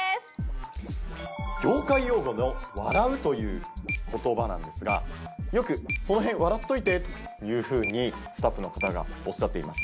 業界用語の「わらう」という言葉なんですがよくそのへんわらっといてというふうにスタッフの方がおっしゃっています。